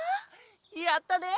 やったね！